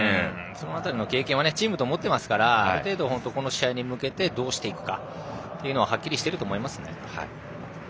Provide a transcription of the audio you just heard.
その辺りの経験はチームでも持っていますからある程度、この試合に向けてどうするかというのははっきりしていると思いますね。